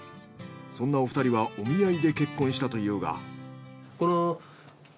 そんなお二人はお見合いで結婚したというが。